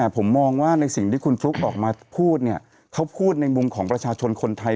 ผมมองว่าในสิ่งที่คุณฟลุ๊กออกมาพูดเขาพูดในมุมของประชาชนคนไทย